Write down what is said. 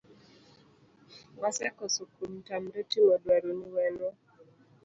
wasekoso kuom tamre timo dwaroni, wenwa.